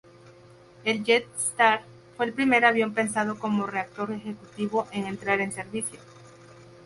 El "JetStar" fue el primer avión pensado como reactor ejecutivo en entrar en servicio.